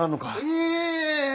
いえいえいえいえ！